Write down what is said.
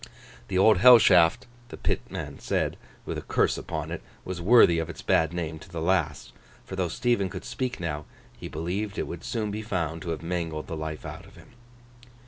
The Old Hell Shaft, the pitman said, with a curse upon it, was worthy of its bad name to the last; for though Stephen could speak now, he believed it would soon be found to have mangled the life out of him.